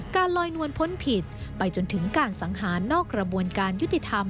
ลอยนวลพ้นผิดไปจนถึงการสังหารนอกกระบวนการยุติธรรม